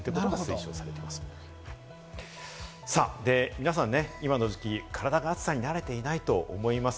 皆さん、今の時期、体が暑さに慣れていないと思います。